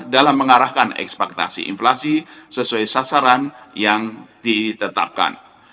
dalam mengarahkan ekspektasi inflasi sesuai sasaran yang ditetapkan